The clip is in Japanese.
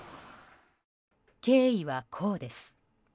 経緯はこうです。